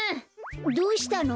どうしたの？